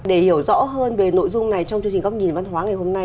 để hiểu rõ hơn về nội dung này trong chương trình góc nhìn văn hóa ngày hôm nay